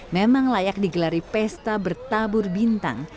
memang layak digelari pesta bertabur bintang